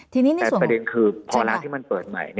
ทีนี้แต่ประเด็นคือพอร้านที่มันเปิดใหม่